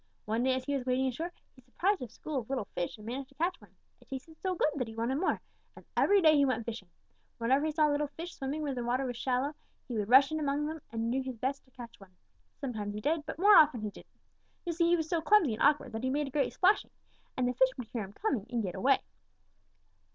One day as he was wading ashore, he surprised a school of little fish and managed to catch one. It tasted so good that he wanted more, and every day he went fishing. Whenever he saw little fish swimming where the water was shallow, he would rush in among them and do his best to catch one. Sometimes he did, but more often he didn't. You see, he was so clumsy and awkward that he made a great splashing, and the fish would hear him coming and get away.